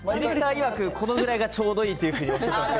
このぐらいがちょうどいいというふうにおっしゃってましたけ